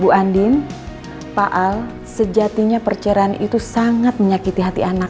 bu andin pak al sejatinya perceraian itu sangat menyakiti hati anak